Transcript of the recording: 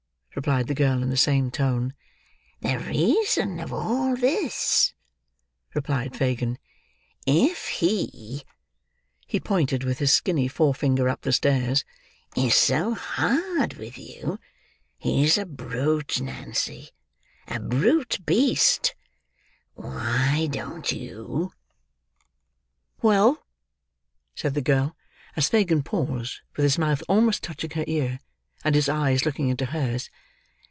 replied the girl, in the same tone. "The reason of all this," replied Fagin. "If he"—he pointed with his skinny fore finger up the stairs—"is so hard with you (he's a brute, Nance, a brute beast), why don't you—" "Well?" said the girl, as Fagin paused, with his mouth almost touching her ear, and his eyes looking into hers.